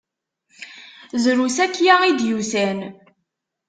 Drus akya i d-yusan.